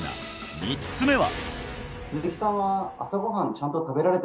３つ目は？